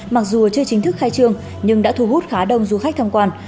mặc dù chưa chính thức khai trương nhưng đã thu hút khá đông du khách tham quan